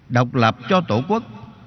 độc lập cho tổ quốc